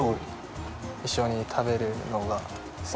一緒に食べるのが好き。